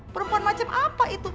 perempuan macam apa itu